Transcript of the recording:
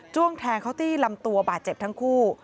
้วงแทงเขาที่ลำตัวบาดเจ็บทั้งคู่